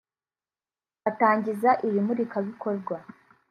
Atangiza iri murikabikorwa